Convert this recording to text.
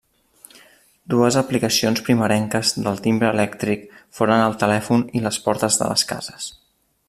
Dues aplicacions primerenques del timbre elèctric foren el telèfon i les portes de les cases.